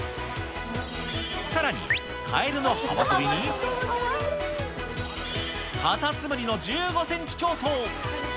さらに、カエルの幅跳びに、カタツムリの１５センチ競走。